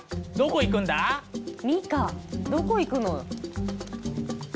ミカどこ行くの？